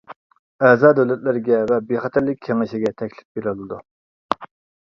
ئەزا دۆلەتلەرگە ۋە بىخەتەرلىك كېڭىشىگە تەكلىپ بېرىلىدۇ.